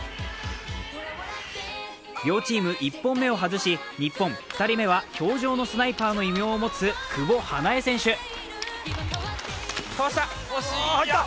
両チーム１本目を外し、日本、２人目は氷上のスナイパーの異名を持つ久保英恵選手。